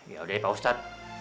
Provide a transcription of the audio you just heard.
ya udah deh pak ustadz